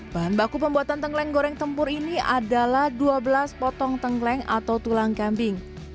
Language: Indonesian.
bahan baku pembuatan tengkleng goreng tempur ini adalah dua belas potong tengkleng atau tulang kambing